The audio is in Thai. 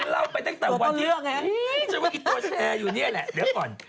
นี่แหละเดี๋ยวก่อน